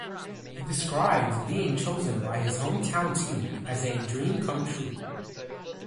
He described being chosen by his hometown team as a "dream come true".